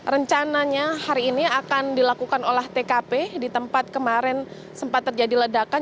rencananya hari ini akan dilakukan olah tkp di tempat kemarin sempat terjadi ledakan